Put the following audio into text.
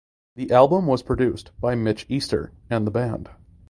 The album was produced by Mitch Easter and the band.